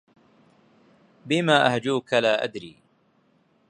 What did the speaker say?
بما أهجوك لا أدري